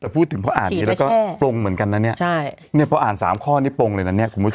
พูดถึงพออ่านนี้แล้วก็ปรงเหมือนกันน่ะเนี่ยพออ่าน๓ข้อนี้ปรงเลยนะคุณผู้ชม